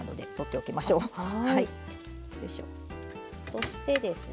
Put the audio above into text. そしてですね。